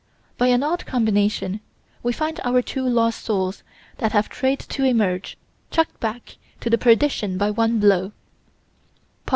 By an odd combination, we find our two lost souls that have tried to emerge, chucked back to perdition by one blow: _Pop.